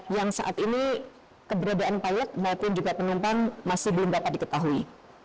yang saat ini keberadaan pilot maupun juga penumpang masih belum dapat diketahui